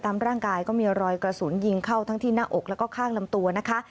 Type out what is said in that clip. ตามร่างกายก็มีรอยกระสุนยิงเข้าทั้งที่หน้าอกแล้วก็ข้างลำตัวนะคะ